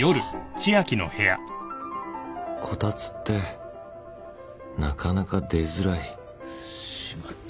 こたつってなかなか出づらいしまった。